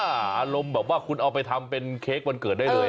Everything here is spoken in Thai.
อารมณ์แบบว่าคุณเอาไปทำเป็นเค้กวันเกิดได้เลย